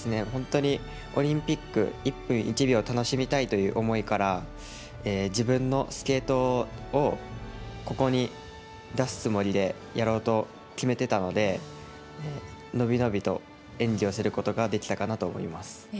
本当にオリンピック一分一秒を楽しみたいという思いから、自分のスケートをここに出すつもりでやろうと決めてたので、伸び伸びと演技をすることができたかなと思います。